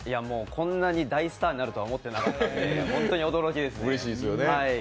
こんなに大スターになるとは思ってなかったので本当に驚きですね。